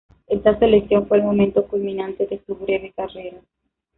Esta selección fue el momento culminante de su breve carrera.